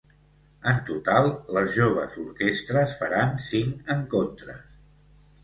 En total, les joves orquestres faran cinc encontres.